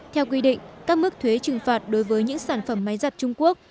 theo quy định các mức thuế trừng phạt đối với những sản phẩm máy giặt trung quốc